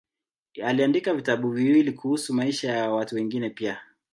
Aliandika vitabu viwili kuhusu maisha ya watu wengine pia.